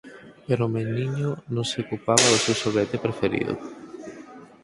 Pero o meniño non se ocupaba do seu xoguete preferido;